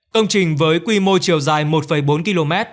công trình với quy mô chiều dài một bốn km